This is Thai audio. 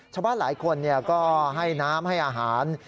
เฉพาะหลายคนให้น้ำให้อาหาร